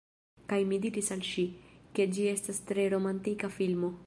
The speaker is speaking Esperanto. Kaj mi diris al ŝi, ke ĝi estas tre romantika filmo.